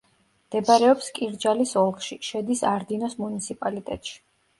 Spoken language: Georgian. მდებარეობს კირჯალის ოლქში, შედის არდინოს მუნიციპალიტეტში.